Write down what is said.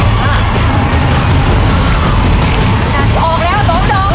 ออกแล้วผมดอก